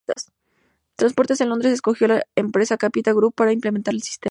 Transportes de Londres escogió a la empresa Capita Group para implantar el sistema.